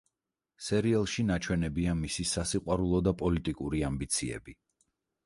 სერიალში ნაჩვენებია მისი სასიყვარულო და პოლიტიკური ამბიციები.